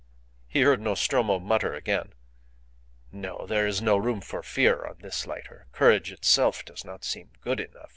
He heard Nostromo mutter again, "No! there is no room for fear on this lighter. Courage itself does not seem good enough.